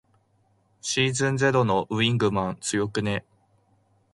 シーズンゼロのウィングマン強くね。